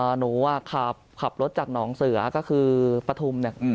หนูอ่ะขับรถจากหนองเสือก็คือปฐุมเนี่ย